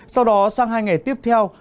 sau đó sang hai ngày tiếp theo